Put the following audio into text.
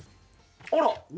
あら！